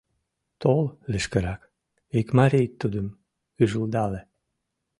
Тол лишкырак, — ик марий тудым ӱжылдале.